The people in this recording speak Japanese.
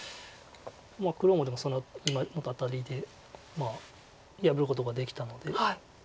黒もでも今またアタリで破ることができたので。